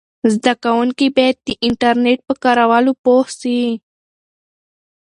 زده کوونکي باید د انټرنیټ په کارولو پوه سي.